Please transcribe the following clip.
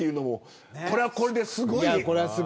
これはこれですごい。